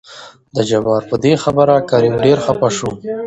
د جبار په دې خبره کريم ډېر خپه شو.